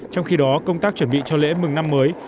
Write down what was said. trong khi đó công tác chuẩn bị cho lễ mừng năm mới